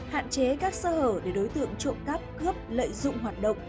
hạn chế các sơ hở để đối tượng trộm cắp cướp lợi dụng hoạt động